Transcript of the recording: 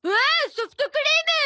ソフトクリーム！